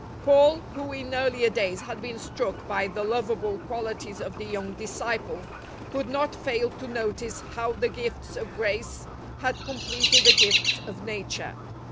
Paul, who in earlier days had been struck by the lovable qualities of the young disciple, could not fail to notice how the gifts of grace had completed the gifts of nature.